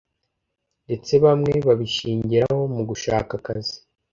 ndetse bamwe babishingiraho mu gushaka akazi,